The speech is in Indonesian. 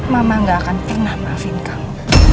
mama gak akan pernah maafin kamu